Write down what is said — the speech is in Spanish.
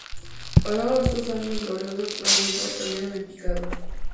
Pasados esos años gloriosos, los resultados cayeron en picado.